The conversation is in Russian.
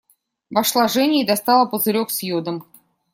Вошла Женя и достала пузырек с йодом.